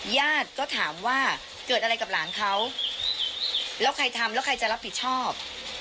ญาติก็ถามว่าเกิดอะไรกับหลานเขาแล้วใครทำแล้วใครจะรับผิดชอบ